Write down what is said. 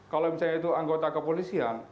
kalau misalnya itu anggota kepolisian